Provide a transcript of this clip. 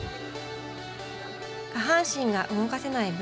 下半身が動かせない分